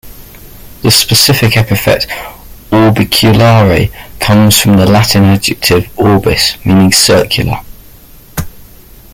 The specific epithet, "orbiculare", comes from the Latin adjective "orbis", meaning "circular".